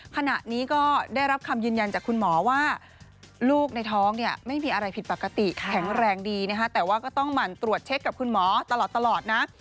ขณะนี้ก็ได้รับคำยืนยันจากคุณหมอว่าลูกในท้องเนี่ยไม่มีอะไรผิดปกติแข็งแรงดีนะฮะแต่ว่าก็ต้องหมั่นตรวจเช็คกับคุณหมอตลอดนะ